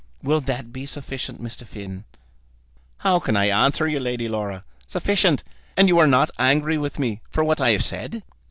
Will that be sufficient, Mr. Finn?" "How can I answer you, Lady Laura? Sufficient! And you are not angry with me for what I have said?"